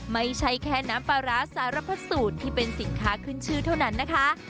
ไม่ใช่แค่น้ำปลาร้าสารพัดสูตรที่เป็นสินค้าขึ้นชื่อเท่านั้นนะคะ